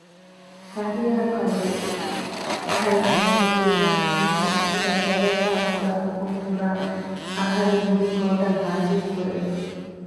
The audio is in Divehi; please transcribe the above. ފަނޑިޔާރުކަލޭނގެ އަހަރެންގެ މައްޗަށް ތިން ވަނަ ޙުކުމްކޮށް ޢުމުރަށް ޖަލަށްދާން ކުރާ ޙުކުމުކުރާން އަހަރެން ހުރީ ކޯޓަށް ޙާޟިރުކުރެވިފަ